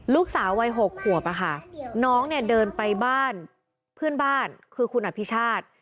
ลูกสาววัย๖ขวบอะค่ะน้องเนี่ยเดินไปบ้านเพื่อนบ้านคือคุณอภิชาติ